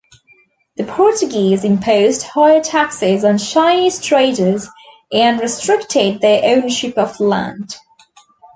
The Portuguese imposed higher taxes on Chinese traders and restricted their ownership of land.